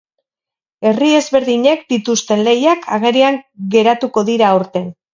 Herri ezberdinek dituzten lehiak agerian geratuko dira aurten.